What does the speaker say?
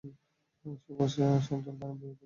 সুরাজ, central থানার বিপরীতের ফ্লাইওভারটাতে ও আছে।